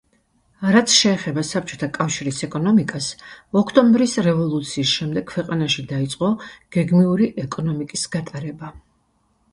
რაც შეეხება საბჭოთა კავშირის ეკონომიკას, ოქტომბრის რევოლუციის შემდეგ ქვეყანაში დაიწყო გეგმიური ეკონომიკის გატარება.